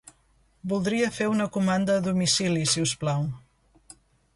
Voldria fer una comanda a domicili si us plau.